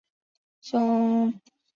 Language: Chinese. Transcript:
匈牙利实行多党议会制。